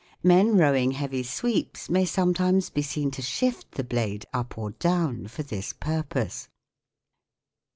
Men rowing heavy sweeps may sometimes be seen to shift the blade up or down for this purpose.